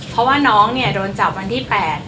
เพราะว่าน้องเนี่ยโดนจับวันที่๘